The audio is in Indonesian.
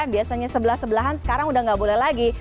biasanya sebelah sebelahan sekarang udah nggak boleh lagi